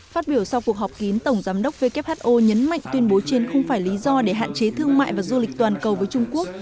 phát biểu sau cuộc họp kín tổng giám đốc who nhấn mạnh tuyên bố trên không phải lý do để hạn chế thương mại và du lịch toàn cầu với trung quốc